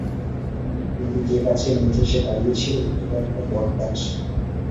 কিন্তু যেগাছের নিচে সে দাঁড়িয়ে ছিল, সেটা একটা বটগাছ।